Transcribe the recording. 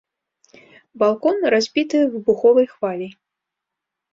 Балкон, разбіты выбуховай хваляй.